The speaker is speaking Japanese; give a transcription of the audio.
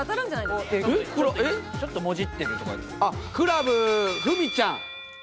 クラブふみちゃん。